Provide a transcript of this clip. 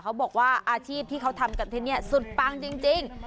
เขาบอกว่าอาชีพที่เขาทำกันที่นี่สุดปังจริง